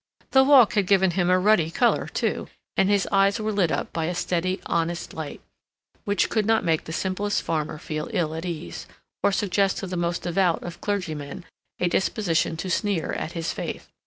The walk had given him a ruddy color, too, and his eyes were lit up by a steady, honest light, which could not make the simplest farmer feel ill at ease, or suggest to the most devout of clergymen a disposition to sneer at his faith.